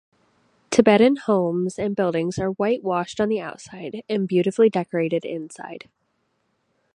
Tibetan homes and buildings are white-washed on the outside, and beautifully decorated inside.